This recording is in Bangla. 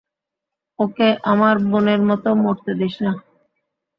ওকে আমার বোনের মতো মরতে দিস না।